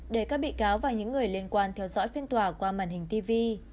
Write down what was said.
để các bị cáo và những người liên quan theo dõi phiên tòa qua màn hình tv